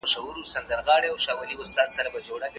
آیا د رڼا سرعت تر ټولو چټک دی؟